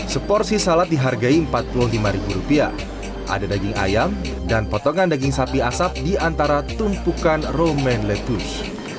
seporsi salad dihargai rp empat puluh lima ada daging ayam dan potongan daging sapi asap di antara tumpukan roman letus